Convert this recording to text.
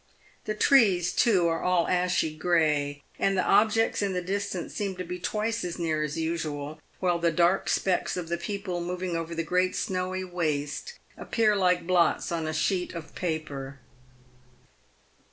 The trees, too, are all ashy grey, and the objects in the distance seem to be twice as near as usual, while the dark specks of the people moving over the great snowy waste appear like blots on a sheet of paper.